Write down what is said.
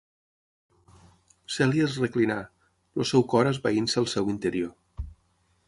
Cèlia es reclinà, el seu cor esvaint-se al seu interior.